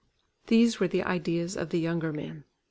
These were the ideas of the younger men.